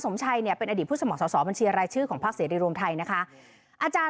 อสมชัยเป็นอดีตผู้สมองสสบัญชีอะไรชื่อของภาคเสรีโรงไทยนะคะ